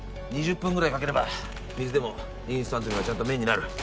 ２０分くらいかければ水でもインスタント麺はちゃんと麺になる。